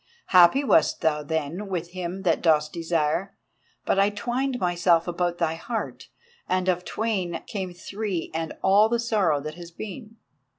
Happy wast thou then with him thou dost desire, but I twined myself about thy heart and of twain came three and all the sorrow that has been.